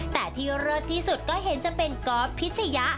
แต่ที่เลิศที่สุดก็เห็นจะเป็นก๊อฟพิชยะ